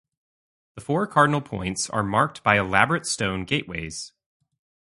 The four cardinal points are marked by elaborate stone gateways.